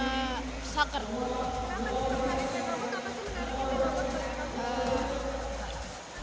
apa aja yang kamu dapat tadi